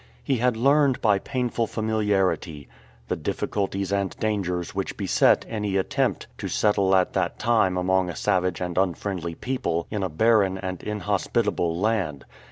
He had learned by painful familiarity the difficulties and dangers which beset any attempt to settle at that time among a savage and unfriendly people in a barren and inhospitable land.